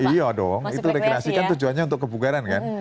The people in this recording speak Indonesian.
iya dong itu rekreasi kan tujuannya untuk kebugaran kan